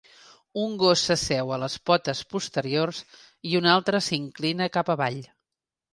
Un gos s'asseu a les potes posteriors i un altre s'inclina cap avall.